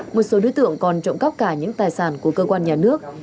một số đối tượng còn trộm cắp cả những tài sản của cơ quan nhà nước